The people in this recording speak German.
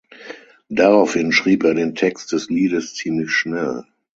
Daraufhin schrieb er den text des Liedes ziemlich schnell.